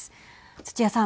土屋さん。